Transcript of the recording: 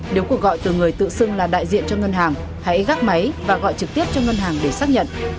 nếu cuộc gọi từ người tự xưng là đại diện cho ngân hàng hãy gác máy và gọi trực tiếp cho ngân hàng để xác nhận